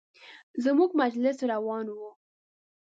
زموږ مجلس روان و.